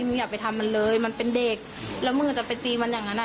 อย่าไปทำมันเลยมันเป็นเด็กแล้วมึงจะไปตีมันอย่างนั้นอ่ะ